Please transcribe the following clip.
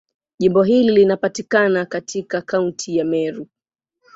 Jimbo hili linapatikana katika Kaunti ya Meru.